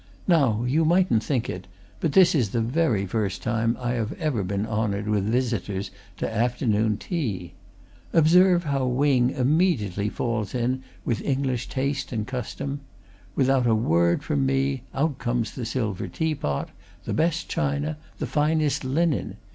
"Now, you mightn't think it, but this is the very first time I have ever been honoured with visitors to afternoon tea. Observe how Wing immediately falls in with English taste and custom! Without a word from me, out comes the silver tea pot, the best china, the finest linen!